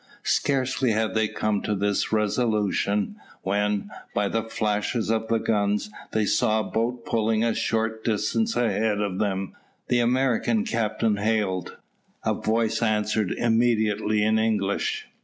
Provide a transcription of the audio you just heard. Scarcely had they come to this resolution, when, by the flashes of the guns, they saw a boat pulling a short distance ahead of them. The American captain hailed. A voice answered immediately in English.